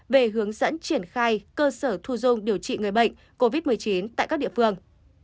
về hướng dẫn triển khai cơ sở thu dung điều trị người bệnh covid một mươi chín tại các địa phương